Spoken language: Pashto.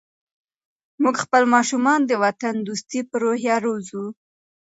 موږ خپل ماشومان د وطن دوستۍ په روحیه روزو.